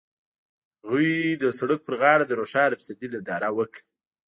هغوی د سړک پر غاړه د روښانه پسرلی ننداره وکړه.